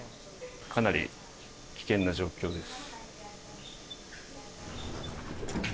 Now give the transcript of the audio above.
かなり危険な状況です。